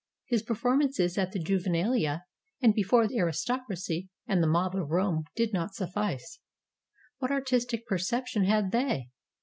His performances at the JuvenaHa, and before the aristocracy and the mob of Rome did not suffice. What artistic perception had they?